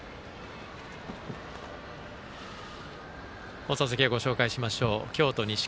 放送席をご紹介します。